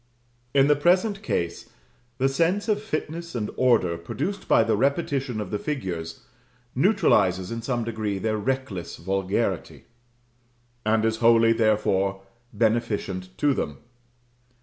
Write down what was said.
In the present case, the sense of fitness and order, produced by the repetition of the figures, neutralizes, in some degree, their reckless vulgarity; and is wholly, therefore, beneficent to them.